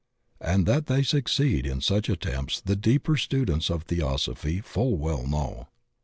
And that they succeed in such attempts the deeper students of Theosophy full well know.